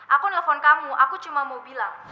aku nelfon kamu aku cuma mau bilang